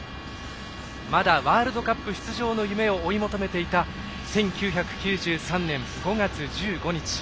まだワールドカップ出場の夢を追い求めていた１９９３年５月１５日